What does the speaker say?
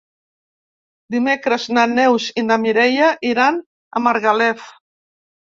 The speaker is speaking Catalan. Dimecres na Neus i na Mireia iran a Margalef.